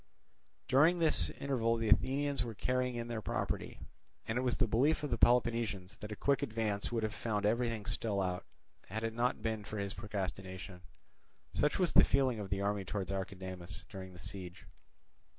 During this interval the Athenians were carrying in their property; and it was the belief of the Peloponnesians that a quick advance would have found everything still out, had it not been for his procrastination. Such was the feeling of the army towards Archidamus during the siege.